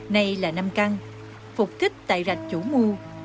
nay là nam căng phục kích tại rạch chủ mưu